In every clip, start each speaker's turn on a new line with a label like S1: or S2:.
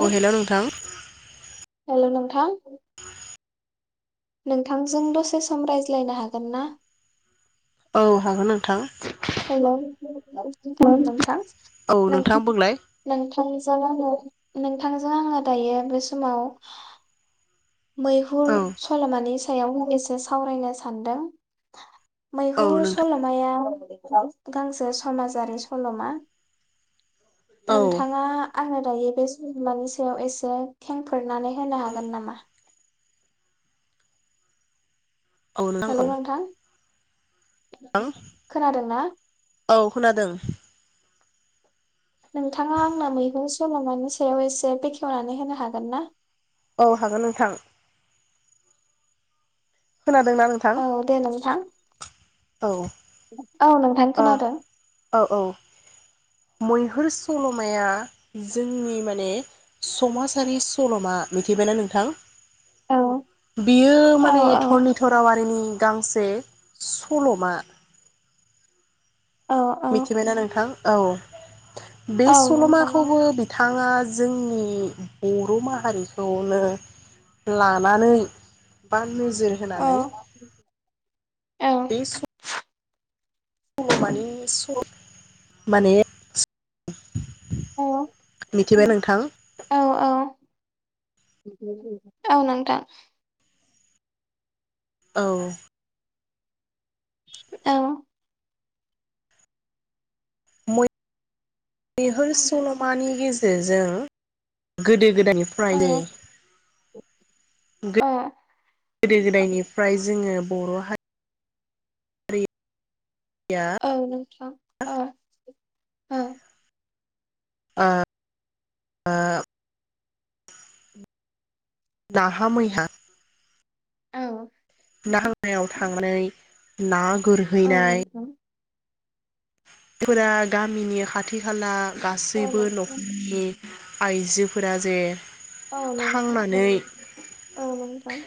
S1: औ हेलौ नोंथां।
S2: हेलौ नोंथां। नोंथांजों दसे सम रायज्लायनो हागोन ना?
S1: औ हागोन नोंथां।
S2: [unintelligible] [unintelligible]
S1: औ नोंथां बुंलाय
S2: नोंथांजों आङो दायो बे समाव मैहुर
S1: औ
S2: सल'मानि सायाव एसे सावरायनो सानदों।
S1: औ
S2: मैहुर
S1: नोंथां
S2: सल'माया [unintelligible] गांसे समाजारि सल'मा।
S1: औ
S2: नोंथाङा आङो दायो बे सल'मानि सायाव एसे खेंफोरनानै होनो हागोन नामा?
S1: औ औ
S2: हेलौ नोंथां।
S1: थां
S2: खोनादों ना?
S1: औ खोनादों।
S2: नोंथाङा आंनो मैगं सल'मानि सायाव एसे बेखेवनानै होनो हागोन ना?
S1: औ हागोन नोंथां। खोनादोंना नोंथां
S2: औ दे नोंथां
S1: औ
S2: औ नोंथां
S1: ओ
S2: खोनादों
S1: औ औ। मैहुर सल'माया जोंनि माने समाजारि सल'मा मिथिबायना नोंथां।
S2: औ
S1: बेयो
S2: औ
S1: माने
S2: औ
S1: धरनिधर वारिनि गांसे सल'मा।
S2: औ औ
S1: मिथिबायना नोंथां? औ। बे
S2: औ
S1: सल'
S2: नोंथां औ
S1: माखौबो बिथां बिथाङा जोंनि बर' माहारिखौनो लानानै बा नोजोर
S2: औ
S1: होनानै
S2: औ
S1: [unintelligible] माने [unintelligible] माने
S2: औ।
S1: मिथिबाय नोंथां?
S2: औ औ औ नोंथां।
S1: औ।
S2: औ।
S1: मैहुर सल'मानि गेजेरजों गोदो गोदोनिफ्रायनो
S2: अ।
S1: गोदो गोदायनिफ्राय जोङो बर' हारि
S2: औ नोंथां औ। ओ।
S1: [unintelligible] नाहा मैहा
S2: औ।
S1: [unintelligible] थांनानै ना
S2: औ नोंथां।
S1: जायफोरा गामिनि खाथि खाला
S2: औ
S1: गासैबो
S2: नोंथां
S1: न'खरनि आइजोफोरा जे
S2: औ नोंथां
S1: थांनानै
S2: [unintelligible] औ नोंथां।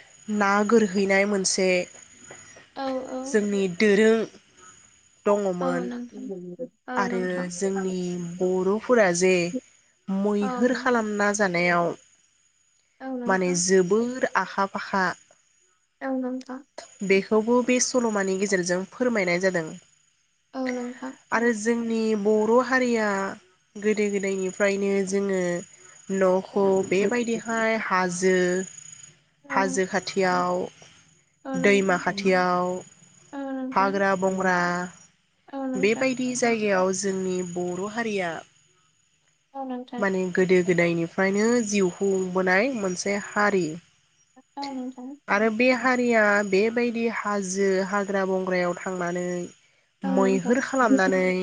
S1: हैनाय मोनसे
S2: औ
S1: जोंनि दोरों [inaudible] दङमोन।
S2: [inaudible]
S1: आरो
S2: नोंथां औ नोंथां
S1: जोंनि बर' फुरा जे
S2: औ
S1: मैहोर खालामना जानायाव
S2: औ
S1: माने
S2: नोंथां
S1: जोबोर आखा फाखा।
S2: औ नोंथां।
S1: खौबो बे सल'मानि गेजेरजों फोरमायनाय जादों।
S2: औ नोंथां।
S1: आरो जोंनि बर' हारिया गोदो गोदायनिफ्रायनो जोङो नख' बेबायदिहाय हाज जो
S2: औ नोंथां
S1: हाजो खाथियाव
S2: औ नोंथां
S1: दैमा खाथियाव हाग्रा बंग्रा
S2: औ
S1: बे
S2: नोंथां
S1: जायगायाव जोंनि बर' हारिया
S2: औ नोंथां औ नोंथां
S1: माने गोदो गोदायनिफ्रायनो जिउ हुंबोनाय मोनसे हारि।
S2: औ नोंथां
S1: आरो बे हारिया बे बेबायदि हाजो हाग्रा बंग्रायाव थांनानै
S2: औ नोंथां
S1: मैहुर खालामनानै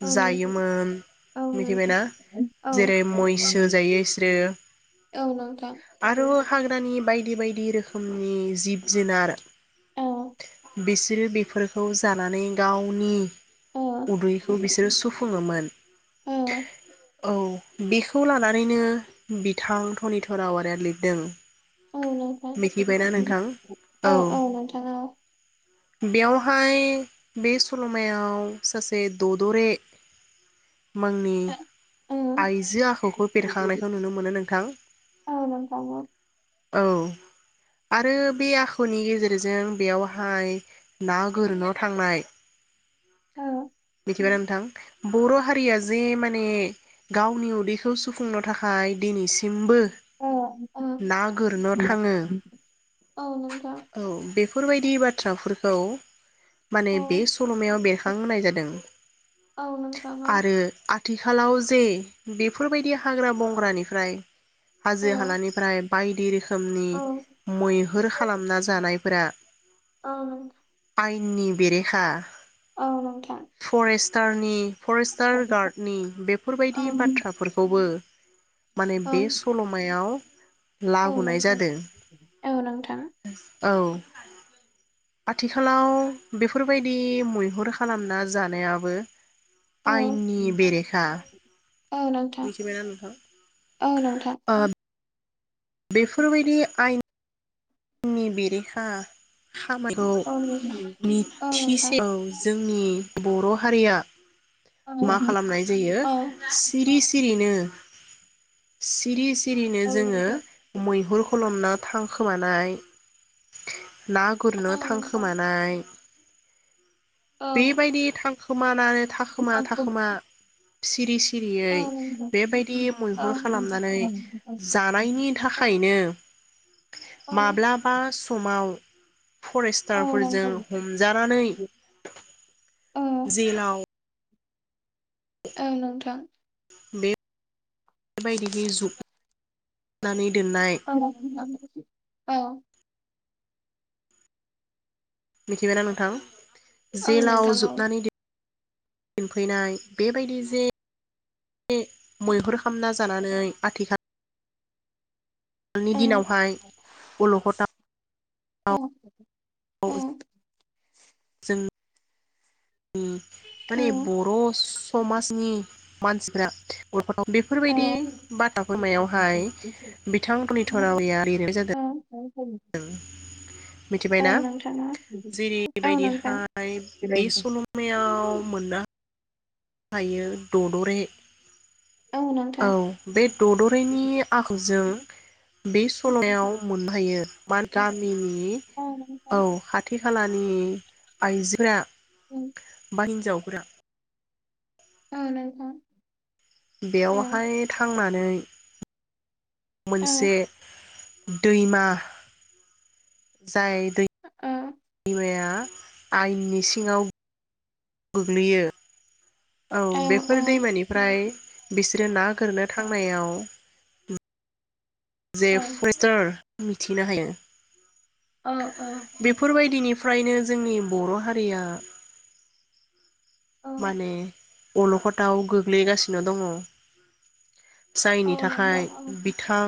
S2: औ नोंथां
S1: जायोमोन
S2: औ नोंथां
S1: मिथिबायना
S2: औ
S1: जेरै मैसो जायो इसोरो
S2: औ नोंथां
S1: आरो हाग्रानि बायदि-बायदि रोखोमनि जिब जुनार
S2: औ
S1: बिसोरो बेफोरखौ जानानै गावनि
S2: औ
S1: उदैखौ बिसोरो सुफुङोमोन।
S2: औ
S1: औ बेखौ लानानैनो बिथां धनिधर आवारिया लिरदों।
S2: औ नोंथां
S1: मिथिबायना नोंथां औ। बेयावहाय बे सल'मायाव सासे ददरे मोंनि
S2: औ
S1: आइजो आखुखौ बेरखांनायखौ नुनो मोनो नोंथां
S2: औ नोंथां औ
S1: औ आरो बे आखुनि गेजेरजों बेयावहाय ना गोरोनाव थांनाय
S2: औ
S1: मिथिगौना नोंथां बर' हारिया जे माने गावनि उदैखौ सुफुंनो थाखाय दिनैसिमबो
S2: औ औ
S1: ना गोरनो थाङो औ। बेफोरबायदि बाथ्राफोरखौ माने
S2: औ
S1: बे सल'मायाव बेरखां होनाय जादों
S2: औ नोंथां औ नोंथां औ नोंथां औ नोंथां
S1: आरो आथिखालाव जे बेफोरबायदि हाग्रा बंग्रानिफ्राय
S2: औ
S1: हाजो हालानिफ्राय बाय दि रोखो मनि
S2: औ
S1: मैहुर
S2: नोंथां
S1: खालामना जानायफोरा आइ नि बेरेखा
S2: औ नोंथां।
S1: टारनि फरेस्टार गार्डनि बेफोरबायदि बाथ्राफोरखौबो माने बे सल'मायाव लाबोनाय जादों।
S2: नोंथां
S1: औ आथिखालाव बेफोरबायदि मैहुर खालामना जानायाबो
S2: औ
S1: आयेननि बेरेखा
S2: औ नोंथां
S1: मिथिबायना नोंथां
S2: औ नोंथां।
S1: बेफोरबायदि आयेन नि बेरेखा खामानिखौ
S2: औ नोंथां औ नोंथां
S1: मिथिसेआव जोंनि बर' हारिया
S2: औ
S1: मा खालामनाय जायो सिरि सिरि नो सिरि सिरिनो
S2: औ
S1: जोङो
S2: नोंथां
S1: मैहुर खुलुमना थांखोमानाय [inaudible] ना
S2: औ
S1: गुरनो
S2: नोंथां
S1: थांखोमानाय
S2: औ
S1: बेबायदि थां खोमा मानो थाखोमा थाखोमा सिरि सि सिरियै
S2: औ नोंथां औ
S1: बेबायदि मैहुर खालामनानै जानायनि थाखायनो
S2: औ
S1: माब्लाबा समाव
S2: औ
S1: फरेस्टारफोरजों
S2: नोंथां
S1: हमजानानै,
S2: औ
S1: जेलाव
S2: औ नोंथां
S1: बे बायदिहै ज' ज'नानै
S2: औ, औ
S1: मिथिबायना नोंथां?
S2: औ
S1: जेलाव
S2: नोंथां औ नोंथां औ नोंथां औ नोंथां औ नोंथां
S1: जोबनानै दो दोनफैनाय बेबायदि जे मैहुर खालामना जानानै आथिखाल आथिखालनि दिनावहाय अलखदाव, जों माने बर' समाजनि मानसिफ्रा [unintelligible] बेफोरबायदि बाथ्राफोरमायावहाय बिथां मोननि [unintelligible] जादो दोन मिथिबायना जेरैबायदिहाय बे सल'मायाव मोननो थायो ददरे
S2: औ
S1: औ
S2: नोंथां
S1: बे दड'रेनि नि आखुजों बे सल'लमायाव मोननो हायो मा दामिनि नि औ खाथि खालानि जोंनि आइजोफोरा
S2: उम
S1: हौवा हिनजावफोरा
S2: औ नोंथां
S1: बेयावहाय थांनानै मोनसे
S2: औ
S1: दैमा, जाय दै
S2: औ
S1: दैमाया आइनि सिङाव गोग्लैयो औ
S2: ओं
S1: बेफोर
S2: ओं
S1: दैमानिफ्राय बिसोरो ना गोरनो थांनायाव, जे
S2: औ
S1: प्रेसार, मिथिनो हायो,
S2: ओ ओ
S1: बेफोरबायदिनि फ्रायनो जोंनि बर' हारिया
S2: औ
S1: माने अलख'दाव गोग्लैगासिनो दङ।
S2: औ
S1: जायनि
S2: नोंथां
S1: थाखाय
S2: औ
S1: बिथां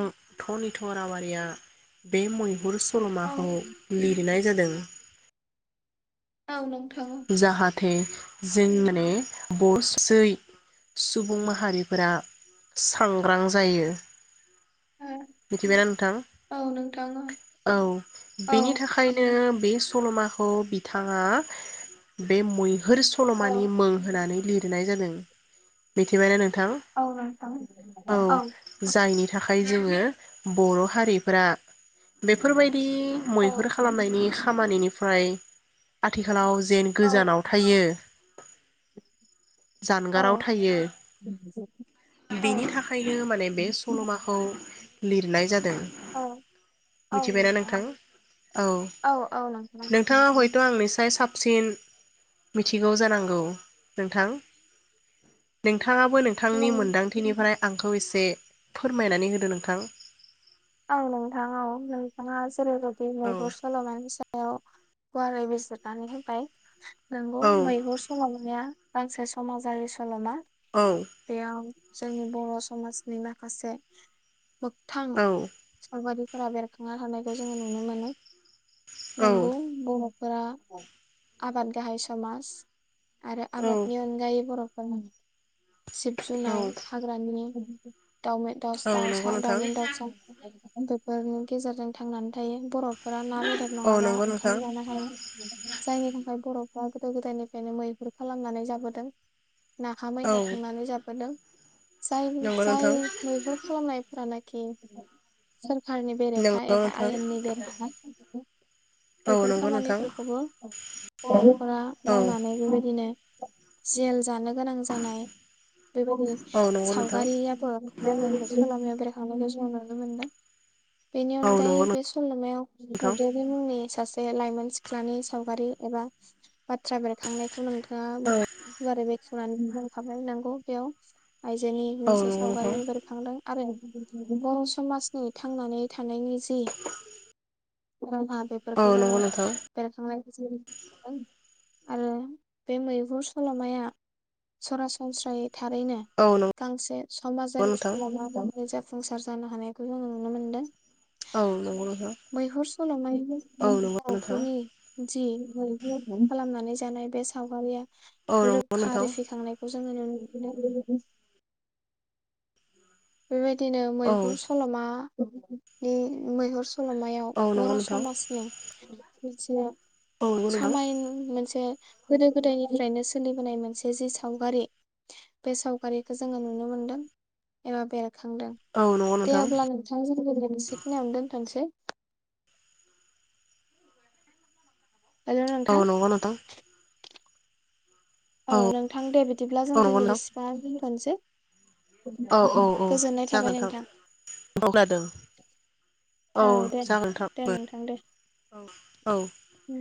S1: धरनिधर वारिया बे मैहुर
S2: औ
S1: सल'माखौ लिरनाय जादों।
S2: औ नों
S1: जाहा थे जों माने [inaudible] सुबुं माहारिफोरा सांग्रां जायो।
S2: औ
S1: मिथिबायना नोंथां?
S2: औ नोंथां
S1: औ
S2: औ
S1: बेनि थाखायनो बे सल'माखौ बिथाङा बे मै हुर
S2: औ
S1: सल'मानि मो होनानै लि दनाय जादों मिथिबायना नों थां
S2: औ नोंथां औ
S1: औ जायनि थाखाय जोङो बर' हारिफोरा बेफोरबाय दि
S2: औ
S1: मैहुर खालामनायनि खामानिनि फ्राय आथिखालाव जे
S2: औ
S1: गोजानाव थायो
S2: औ
S1: जानगाराव थायो
S2: औ
S1: बेनि थाखायनो माने बे सल'माखौ लिरनाय जा दों मिथिबायना नोंथां? औ
S2: औ औ नोंथां
S1: नोंथाङा हय थ' आंनिस्राय साबसिन मिथिगौ जानांगौ नोंथां नों थाङाबो नोंथांनि
S2: नों
S1: मोनदांथिनिफ्राय आंखौ एसे फोरमायनानै होदो नोंथां।
S2: औ नोंथां औ नोंथाङा
S1: औ
S2: [unintelligible] सल'मानि सायाव। गुवारै बिजिरनानै होबाय। नोंगौ
S1: औ
S2: मैहुर सल'माया गांसे समाजारि सल'मा।
S1: औ
S2: [unintelligible] जोंनि बर' समाजनि माखासे मोगथां
S1: औ औ
S2: बेफोरबादिफोरा बेरखांनो हानायखौ जोङो नुनो मोनो। नोंगौ
S1: औ
S2: बु [unintelligible] फोरा आबाद गाहाय समाज। आरो आबादनि
S1: औ
S2: अनगायै बर ओं। जिब जुनार हाग्रानि दावमि दावसा
S1: औ
S2: दावस
S1: नंगौ
S2: दाव स
S1: नोंथां
S2: दावमिन दाव बेफोरनि गेजेरजों थांनानै थायो बर फोरा ना बेदर
S1: औ
S2: नङाबा
S1: नंगौ
S2: ओंखाम
S1: नोंथां
S2: जानो हाया जायनि थाखाय बर बा गोदो गोदायनिफ्रायनो मैहुर खालामनानै जाबोदों। नाहा
S1: औ
S2: मैहा थांनानै जाबोदों। जाय
S1: नंगौ
S2: जाय
S1: नोंथां
S2: मैहुर खालामनायफोरालाय खि सोर सरखारनि
S1: नंगौ
S2: बेरेखा एबा
S1: नोंथां
S2: आयेननि बेरेखा।
S1: औ
S2: बेफोर
S1: नंगौ नोंथां
S2: खामानिफोरखौबो बरफोरा
S1: औ
S2: मावनानै बेबायदिनो जेल जानो गोनां जानाय बेबायदि
S1: औ नंगौ नोंथां
S2: सावगारियाबो [unintelligible] [unintelligible] जों नुनो मोनदों। बेनि
S1: औ
S2: अनगायै
S1: नंगौ
S2: बे सलमायाव
S1: नोंथां
S2: ददेरे मुंनि सासे बे लाइमोन सिख्लानि सावगारि एबा बाथ्रा बेरखांनायखौ नोंथांङा
S1: औ
S2: गुवारै बे [unintelligible] बेयाव। आइजोनि
S1: औ
S2: मोनसे
S1: नंगौ नोंथां
S2: सावगारिबो बेरखांदों आरो [unintelligible] बर समाजनि थांनानै थ थानायनि जि [unintelligible]
S1: औ
S2: -बेफोरखौ जोंङो
S1: नंगौ नोंथां
S2: बेरखां आरो बे मैहुर सलमाया सरासनस्रायै थारैनो
S1: औ नंगौ
S2: गांसे समाजारि
S1: नोंथां
S2: सलमा [unintelligible] फुंसार जानो हानायखौ जोंङो नुनो मोन्दों
S1: औ नंगौ नोंथां
S2: मैहुर सलमाय
S1: औ नंगौ नोंथां
S2: [unintelligible] खालामनानै बे सावगारिया
S1: औ नंगौ
S2: रोखा
S1: नोंथां
S2: रोसिखांनायखौ जोंङो नु [unintelligible] बेबायदिनो
S1: औ
S2: मैहुर सलमा [unintelligible] सलमायाव
S1: औ नंगौ
S2: बर'
S1: नोंथां
S2: समाजनि मिथिनायाव
S1: औ नंगौ नोंथां
S2: समाय मोनसे गोदो-गोदायनिफ्रायनो सोलिबोनाय मोनसे जि सावगारि बे सावगारिखौ जोङो नुनो मोनदों। एबा बे खांदों
S1: औ नंगौ नोंथां औ नंगौ नोंथां औ
S2: दे अब्ला नोंथांजों मोनसे खिनिाव दोनथनोसै। हेलौ
S1: औ
S2: नोंथां
S1: नंगौ नोंथां
S2: औ नोंथां दे बिदिब्ला जों दिनै बेसिबाव
S1: औ औ
S2: [unintelligible]
S1: औ
S2: गोजोननाय थाबाय
S1: जागोन
S2: नोंथां
S1: औ खोनादों
S2: औ दे दे नोंथां दे
S1: औ औ
S2: उ